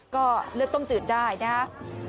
ก็เลือกต้มจืดได้นะครับ